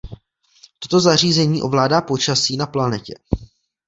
Toto zařízení ovládá počasí na planetě.